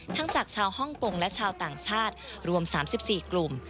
จากชาวฮ่องกงและชาวต่างชาติรวม๓๔กลุ่ม